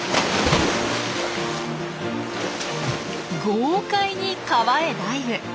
豪快に川へダイブ！